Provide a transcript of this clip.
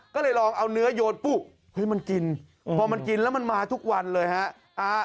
ก็เลยลองเอาเนื้อโยนปุ๊บเฮ้ยมันกินพอมันกินแล้วมันมาทุกวันเลยฮะ